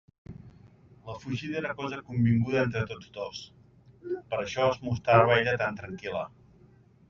La fugida era cosa convinguda entre tots dos: per això es mostrava ella tan tranquil·la.